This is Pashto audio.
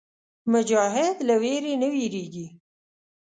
مجاهد له ویرې نه وېرېږي.